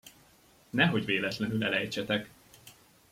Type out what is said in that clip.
Nehogy véletlenül elejtsetek!